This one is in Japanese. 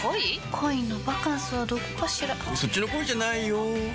恋のバカンスはどこかしらそっちの恋じゃないよ